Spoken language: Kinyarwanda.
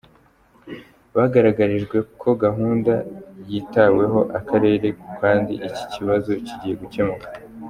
Bagaragarijwe ko gahunda yitaweho, akarere ku kandi iki kibazo kigiye gukemuka.